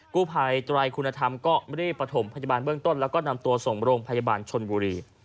กู้ภัยไตรคุณธรรมก็รีบประถมพยาบาลเบื้องต้นแล้วก็นำตัวส่งโรงพยาบาลชนบุรี